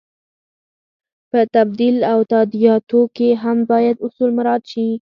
په تبدیل او تادیاتو کې هم باید اصول مراعت شي.